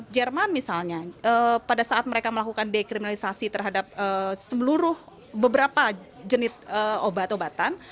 jerman misalnya pada saat mereka melakukan dekriminalisasi terhadap seluruh beberapa jenis obat obatan